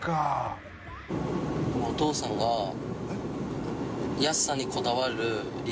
お父さんが店主）